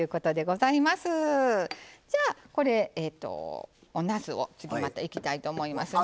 じゃあ、おなすを次いきたいと思いますね。